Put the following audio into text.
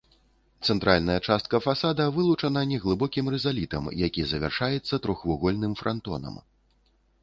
Цэнтральная частка фасада вылучана неглыбокім рызалітам, які завяршаецца трохвугольным франтонам.